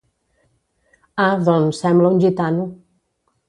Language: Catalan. Ah, doncs sembla un gitano.